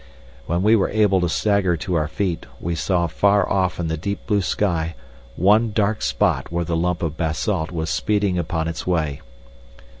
When we were able to stagger to our feet we saw far off in the deep blue sky one dark spot where the lump of basalt was speeding upon its way.